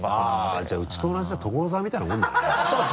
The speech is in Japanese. じゃあうちと同じだ所沢みたいなもんだね。